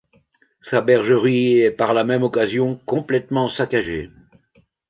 Sa bergerie est, par la même occasion, complètement saccagée.